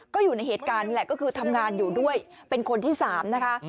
ก็อยู่ในเหตุการณ์แหละก็คือทำงานอยู่ด้วยเป็นคนที่๓นะคะ